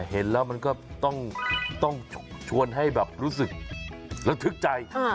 เห็นแล้วมันก็ต้องชวนให้แบบรู้สึกระทึกใจ